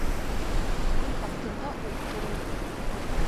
Көл аҫтында ут торор.